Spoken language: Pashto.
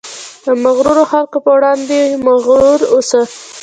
د مغرورو خلکو په وړاندې مغرور اوسه.